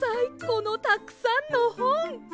このたくさんのほん！